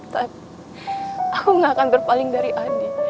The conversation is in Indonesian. tapi aku gak akan berpaling dari adik